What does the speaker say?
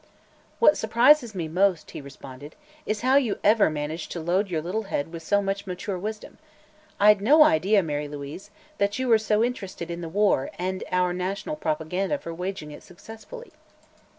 "What surprises me most," he responded, "is how you ever managed to load your little head with so much mature wisdom. I'd no idea, Mary Louise, you were so interested in the war and our national propaganda for waging it successfully."